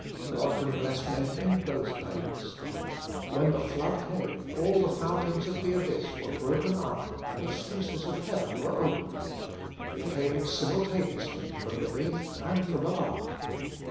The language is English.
God can bless men in both ways. When the flood came all the fountains of the abyss were broken up and the sluices of heaven were opened. It came simultaneously from beneath and from above.